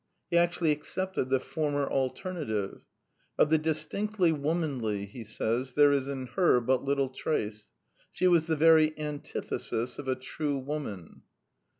He actually accepted the former alternative. " Of the distinctively wo manly," he says, '* there is in her but little trace. She was the very antithesis of a true woman."